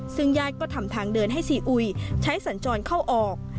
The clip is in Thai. ซึ่งญาติก็ทำทางเดินให้ซีอุยใช้สัญจรเข้าออก